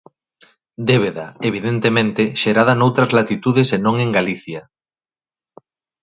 Débeda, evidentemente, xerada noutras latitudes e non en Galicia.